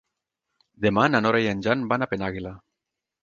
Demà na Nora i en Jan van a Penàguila.